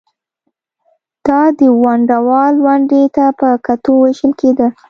دا د ونډه وال ونډې ته په کتو وېشل کېده